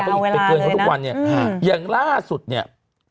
เพราะอีกเป็นเกินของทุกวันเนี่ยอย่างล่าสุดเนี่ย